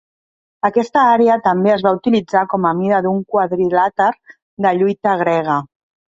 Aquesta àrea també es va utilitzar com a mida d'un quadrilàter de lluita grega.